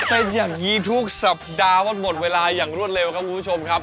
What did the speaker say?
เป็นอย่างนี้ทุกสัปดาห์มันหมดเวลาอย่างรวดเร็วครับคุณผู้ชมครับ